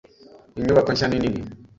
Inyubako nshya ni nini.